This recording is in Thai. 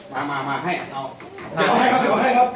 ตำรวจแห่งมือ